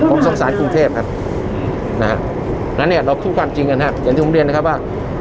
ผมทรงศาลกรุงเทพฯนะฮะอย่างที่ผมเรียนนะครับว่า